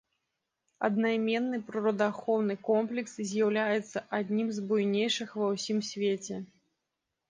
Аднайменны прыродаахоўны комплекс з'яўляецца аднім з буйнейшых ва ўсім свеце.